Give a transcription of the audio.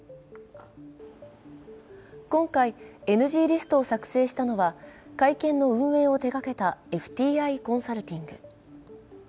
今回、ＮＧリストを作成したのは、会見の運営を手がけたＦＴＩコンサルティング。